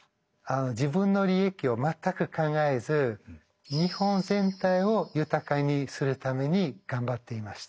自分の利益を全く考えず日本全体を豊かにするために頑張っていました。